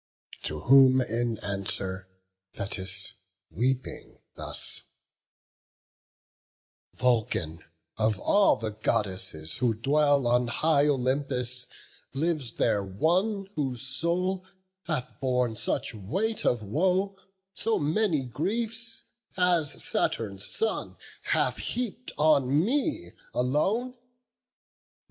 To whom in answer Thetis, weeping, thus: "Vulcan, of all the Goddesses who dwell On high Olympus, lives there one whose soul Hath borne such weight of woe, so many griefs, As Saturn's son hath heap'd on me alone?